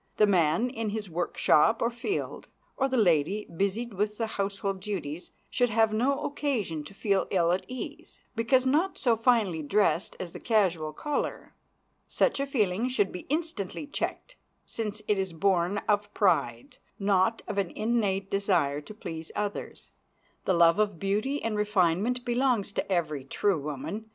The man in his workshop or field, or the lady, busied with the household duties, should have no occasion to feel ill at ease, because not so finely dressed as the casual caller. Such a feeling should be instantly checked, since it is born of pride, not of an innate desire to please others. The love of beauty and refinement belongs to every true woman.